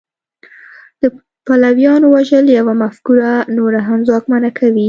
د پلویانو وژل یوه مفکوره نوره هم ځواکمنه کوي